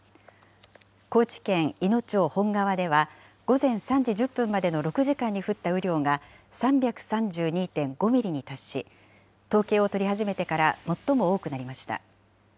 高知県いの町本川では、午前３時１０分までの６時間に降った雨量が３３２．５ミリに達し、統計を取り始めてから最も多くなりました。